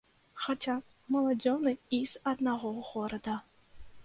Хаця маладзёны і з аднаго горада.